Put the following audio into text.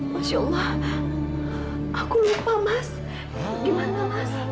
masya allah aku lupa mas gimana mas